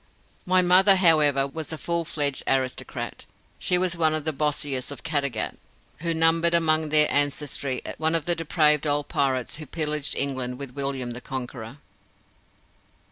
My mother, however, was a full fledged aristocrat. She was one of the Bossiers of Caddagat, who numbered among their ancestry one of the depraved old pirates who pillaged England with William the Conqueror.